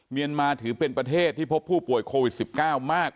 เมียนมาถือเป็นประเทศที่พบผู้ป่วยโควิด๑๙มาก